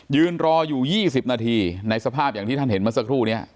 ยืนรออยู่๒๐นาทีในสภาพอย่างที่ท่านเห็นเมื่อสักครู่นี้